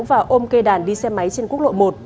và ôm cây đàn đi xe máy trên quốc lộ một